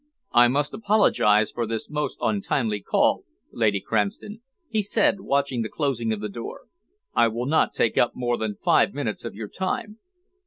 "I must apologise for this most untimely call, Lady Cranston," he said, watching the closing of the door. "I will not take up more than five minutes of your time."